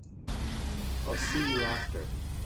I'll see you after.